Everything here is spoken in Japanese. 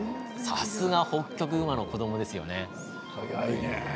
さすがホッキョクグマの子どもですね。